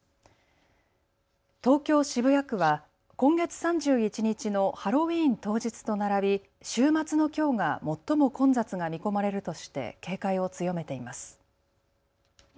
東京渋谷区は今月３１日のハロウィーン当日と並び週末のきょうが最も混雑が見込まれるとして警戒を強めています。